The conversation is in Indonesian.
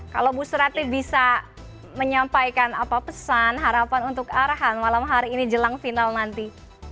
kalau bu surati bisa menyampaikan apa pesan harapan untuk arhan malam hari ini jelang final nanti